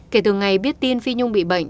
kể từ ngày biết tin phi nhung bị bệnh